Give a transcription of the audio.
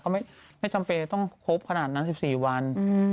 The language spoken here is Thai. ก็ไม่จำเป็นต้องครบขนาดนั้นสิบสี่วัน